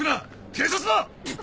警察だ！